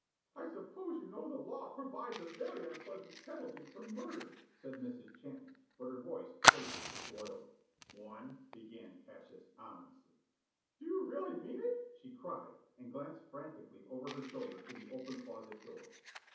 "I suppose you know the law provides a very unpleasant penalty for murder," said Mrs. Champney, but her voice quavered disloyally. "One!" began Cassius ominously. "Do you really mean it?" she cried, and glanced frantically over her shoulder at the open closet door.